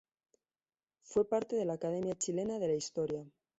Fue parte de la Academia Chilena de la Historia.